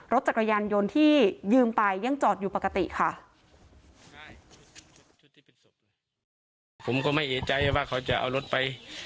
รถจักรยานยนต์ที่ยืมไปยังจอดอยู่ปกติค่ะ